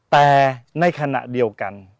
แต่ในขณะเดียวกัน